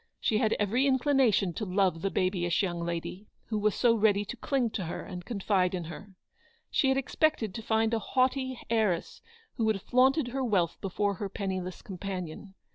She had every inclination to love the babyish young lady, "who was so ready to cling to her and confide in her. She had expected to find a haughty heiress who would have flaunted her wealth before her penniless companion.